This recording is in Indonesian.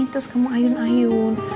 terus kamu ayun ayun